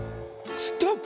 ストップ！